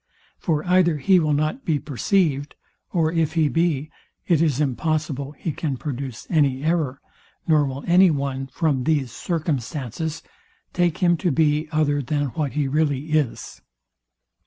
For either he will not be perceived, or if he be, it is impossible he can produce any error, nor will any one, from these circumstances, take him to be other than what he really is.